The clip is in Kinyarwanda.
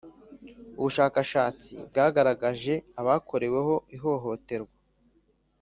Ubushakashatsi bwagaragaje abakoreweho ihohoterwa.